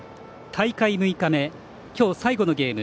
大会６日目、今日最後のゲーム